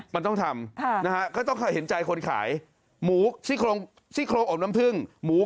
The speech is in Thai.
มันก็ต้องให้เห็นใจคนขายหมูซิคลองอบน้ำผึ้งหมูเค็มหมูกรอบ